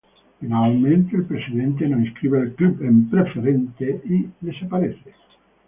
Finalmente el presidente no inscribe al club en Preferente y desaparece.